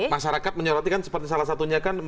masyarakat menyoroti kan seperti salah satunya kan